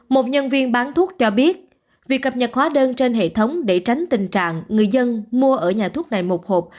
một nhân viên bán thuốc cho biết việc cập nhật hóa đơn trên hệ thống để tránh tình trạng người dân mua ở nhà thuốc này một hộp